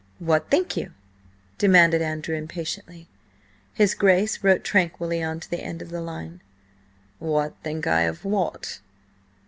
"What think you?" demanded Andrew, impatiently. His Grace wrote tranquilly on to the end of the line. "What think I of what?"